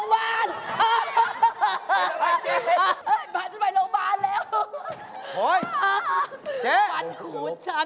พาฉันไปโรงพยาบาล